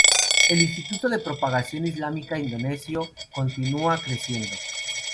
El Instituto de Propagación Islámica Indonesio continúa creciendo.